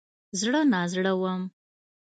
زړه نازړه وم.